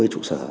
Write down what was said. bốn mươi trụ sở